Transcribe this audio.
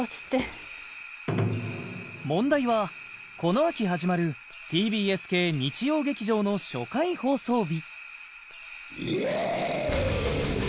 問題はこの秋始まるＴＢＳ系日曜劇場の初回放送日